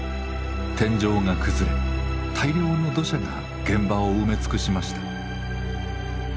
天井が崩れ大量の土砂が現場を埋め尽くしました。